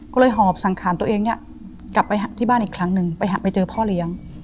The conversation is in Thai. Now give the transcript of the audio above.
ก็เลยหอบสังขารตัวเองเนี่ยกลับไปที่บ้านอีกครั้งหนึ่งไปเจอพ่อเลี้ยง